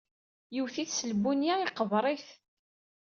Yewwet-it s lbunya iqebeṛ-it!